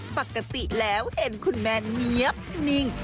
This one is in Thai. ปกติแล้วเห็นคุณแมนเนี๊ยบนิ่ง